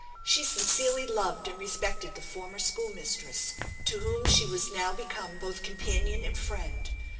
She sincerely loved and respected the former schoolmistress, to whom she was now become both companion and friend.